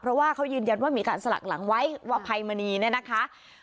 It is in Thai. เพราะว่าเขายืนยันว่ามีการสลักหลังไว้ว่าภัยมณีเนี่ยนะคะ